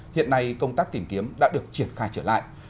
hiện nay công tác tìm kiếm đã được triển khai trở lại